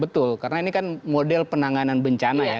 betul karena ini kan model penanganan bencana ya